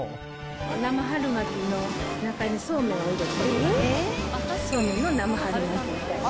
生春巻きの中にそうめんを入れて、そうめんの生春巻きみたいな。